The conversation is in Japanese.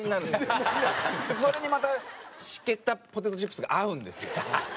それにまた湿気たポテトチップスが合うんですよ。